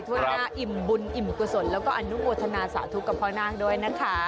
ช่วงหน้าอิ่มบุญอิ่มกุศลแล้วก็อนุโมทนาสาธุกับพ่อนาคด้วยนะคะ